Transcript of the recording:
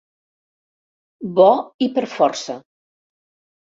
Bo i per força.